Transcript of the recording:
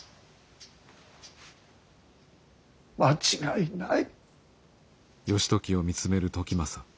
間違いない。